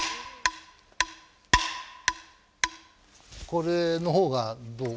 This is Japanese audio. これのほうがどう？